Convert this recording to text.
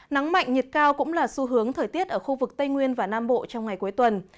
nắng mạnh nhiệt cao cũng là xu hướng thời tiết ở khu vực tây nguyên và nam bộ trong ngày cuối tuần